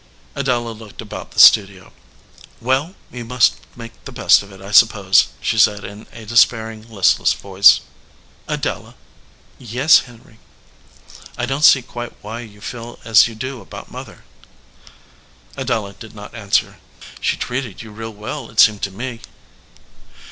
Adela looked about the studio. "Well, we must make the best of it, I suppose/* she said, in a despairing, listless voice. "Adela/" "Yes, Henry." "I don t see quite why you feel as you do about Mother." Adela did not answer. "She treated you real well, it seemed to me."